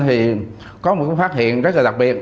thì có một phát hiện rất là đặc biệt